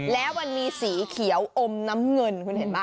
แล้วมันมีสีเขียวอมน้ำเงินคุณเห็นไหม